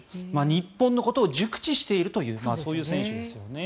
日本のことを熟知しているという選手ですよね。